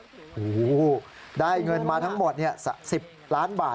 โอ้โหได้เงินมาทั้งหมด๑๐ล้านบาท